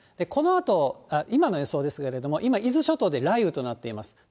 このあと、今の予想ですけれども、今、伊豆諸島で雷雨となっています。